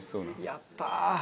やったー！